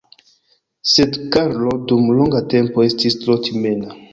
Sed Karlo dum longa tempo estis tro timema.